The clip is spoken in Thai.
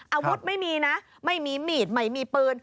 อาวุธไม่มีนะไม่มีมีดไม่มีปืน